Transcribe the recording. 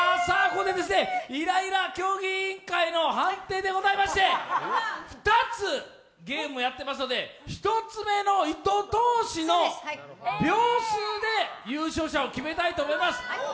ここでイライラ競技委員会の判定がございまして、２つゲームやってますので１つ目の糸通しの秒数で優勝者を決めたいと思います。